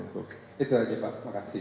itu lagi pak terima kasih